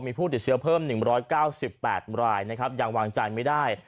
มีผู้ติดเชื้อเพิ่ม๑๙๘รายอย่างวางจ่ายไม่ได้